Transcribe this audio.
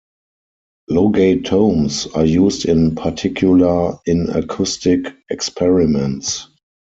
Logatomes are used in particular in acoustic experiments.